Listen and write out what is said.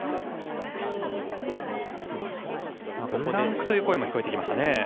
ブランクという声も聞こえてきましたね。